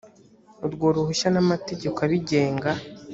urwo ruhushya n amategeko abigenga